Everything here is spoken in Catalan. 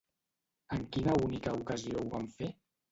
En quina única ocasió ho van fer?